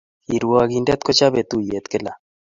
Kiwrakindek kochape tuiyet kila